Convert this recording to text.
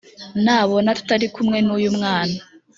nabona tutari kumwe n uyu mwana